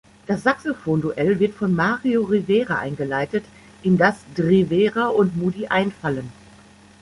Das „Saxophon Duell“ wird von Mario Rivera eingeleitet, in das D´Rivera und Moody einfallen.